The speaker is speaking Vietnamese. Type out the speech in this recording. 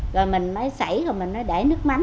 rồi mình mới sảy rồi mình mới để nước mắm